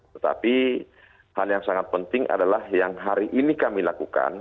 tetapi hal yang sangat penting adalah yang hari ini kami lakukan